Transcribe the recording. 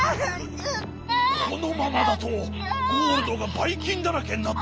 このままだとゴールドがバイきんだらけになってしまうぞ。